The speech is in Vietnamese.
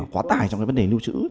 quá tải trong cái vấn đề lưu trữ